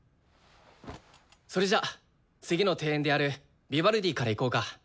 それじゃあ次の定演でやるヴィヴァルディからいこうか。